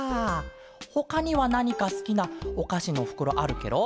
ほかにはなにかすきなおかしのふくろあるケロ？